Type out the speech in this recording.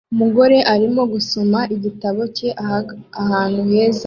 Umugore arimo gusoma igitabo cye ahantu heza